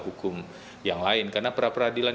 hukum yang lain karena pra peradilan